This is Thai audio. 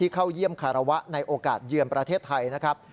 เข้าเยี่ยมคารวะในโอกาสเยือนประเทศไทยนะครับ